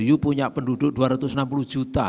you punya penduduk dua ratus enam puluh juta